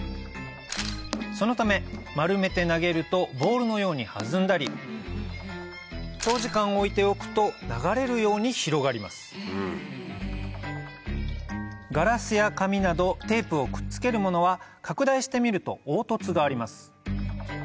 そのため丸めて投げるとボールのように弾んだり長時間置いておくと流れるように広がりますガラスや紙などテープをくっつけるものは拡大してみると凹凸があります